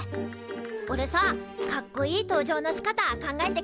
おれさかっこいい登場のしかた考えてきたんだけっどよ。